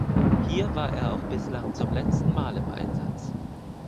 Hier war er auch bislang zum letzten Mal im Einsatz.